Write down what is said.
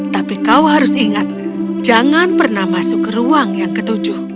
tapi kau harus ingat jangan pernah masuk ke ruang yang ketujuh